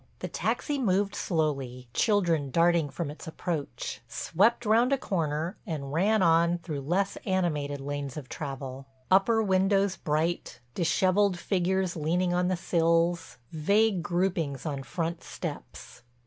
The taxi moved slowly, children darting from its approach, swept round a corner and ran on through less animated lanes of travel, upper windows bright, disheveled figures leaning on the sills, vague groupings on front steps.